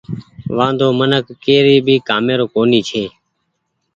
وآندو منک ڪي ڀي ڪآمي رو ڪونيٚ ڇي۔